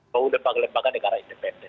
mau lembaga lembaga negara independen